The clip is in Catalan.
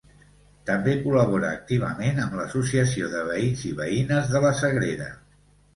També col·labora activament amb l'Associació de Veïns i Veïnes de la Sagrera.